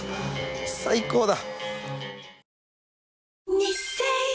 最高だ。